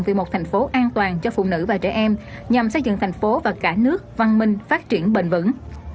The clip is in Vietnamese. vì một thành phố an toàn cho phụ nữ và trẻ em nhằm xây dựng thành phố và cả nước văn minh phát triển bền vững